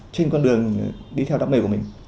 trên con đường đi theo đam mê của mình